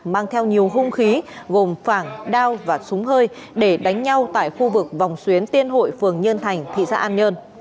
mang theo nhiều hung khí gồm phảng đao và súng hơi để đánh nhau tại khu vực vòng xuyến tiên hội phường nhân thành thị xã an nhơn